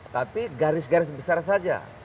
tapi garis garis besar saja